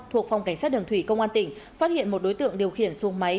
thuộc phòng cảnh sát đường thủy công an tỉnh phát hiện một đối tượng điều khiển xuồng máy